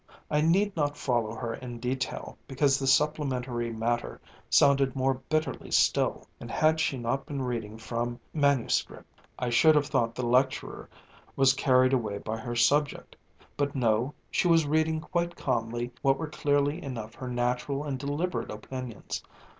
I need not follow her in detail, because the supplementary matter sounded more bitterly still; and, had she not been reading from MS. I should have thought the lecturer was carried away by her subject; but no, she was reading quite calmly what were clearly enough her natural and deliberate opinions.